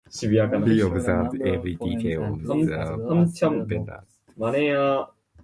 He observed every detail of the verandah.